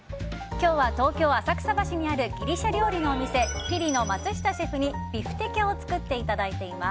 今日は東京・浅草橋にあるギリシャ料理のお店フィリの松下シェフにビフテキャを作っていただいています。